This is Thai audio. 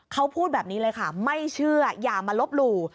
เขาพูดแบบนี้เลยค่ะไม่เชื่ออย่ามาลบหลู่